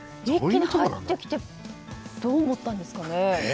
入ってきてどう思ったんですかね。